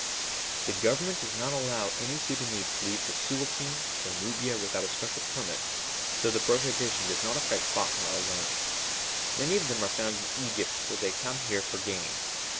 "The Government does not now allow any Sudânese to leave for Suâkin or Nubia without a special permit; so the prohibition does not affect Fatma alone. Many of them are found in Egypt for they come here for gain.